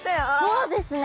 そうですね。